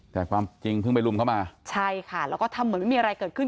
แต่ความจริงเพิ่งไปรุมเข้ามาใช่ค่ะแล้วก็ทำเหมือนไม่มีอะไรเกิดขึ้น